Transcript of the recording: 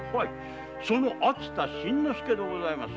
その秋田伸之介でございます。